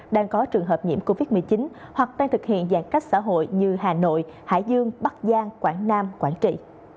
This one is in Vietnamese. đang có trường hợp nhiễm covid một mươi chín hoặc đang thực hiện giãn cách xã hội như hà nội hải dương bắc giang quảng nam quảng trị